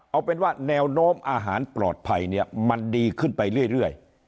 เอาเป็นว่าแนวโน้มอาหารปลอดภัยเนี่ยมันดีขึ้นไปเรื่อย